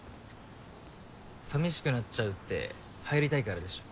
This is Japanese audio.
寂しくなっちゃうって入りたいからでしょ？